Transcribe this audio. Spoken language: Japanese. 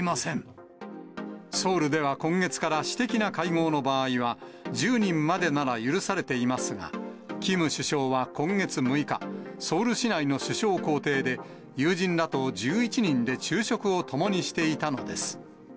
ソウルでは今月から私的な会合の場合は、１０人までなら許されていますが、キム首相は今月６日、ソウル市内の首相公邸で、友人らと１１人で昼食をともにしていたのです。